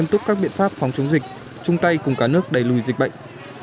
tốt các biện pháp phòng chống dịch chung tay cùng cả nước đẩy lùi dịch bệnh